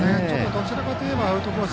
どちらかといえばアウトコース